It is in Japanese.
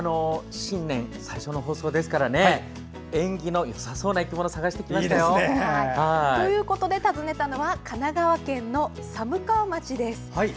新年最初の放送ですから縁起のよさそうな生き物を探してきましたよ。ということで訪ねたのは神奈川県の寒川町です。